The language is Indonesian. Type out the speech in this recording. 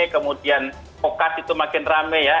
kemudian vokas itu makin rame ya